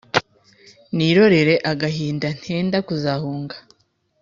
Nirorera agahinda Ntenda kuzahunga